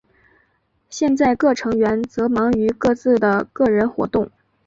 现在各成员则忙于各自的个人活动。